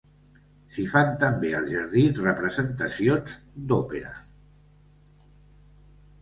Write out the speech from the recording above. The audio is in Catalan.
S'hi fan també al jardí representacions d'òpera.